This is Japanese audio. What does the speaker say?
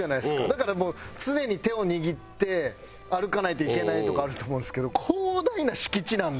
だからもう常に手を握って歩かないといけないとかあると思うんですけど広大な敷地なんで。